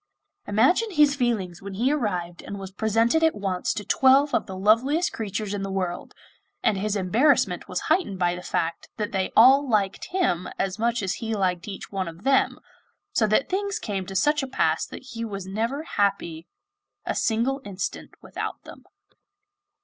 Imagine his feelings when he arrived and was presented at once to twelve of the loveliest creatures in the world, and his embarrassment was heightened by the fact that they all liked him as much as he liked each one of them, so that things came to such a pass that he was never happy a single instant without them.